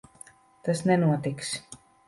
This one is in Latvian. Tas nenotiks.